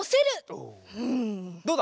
おどうだ？